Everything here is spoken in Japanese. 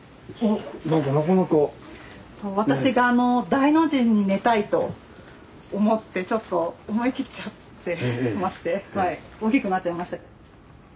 そう私が大の字に寝たいと思ってちょっと思い切っちゃってまして大きくなっちゃいました。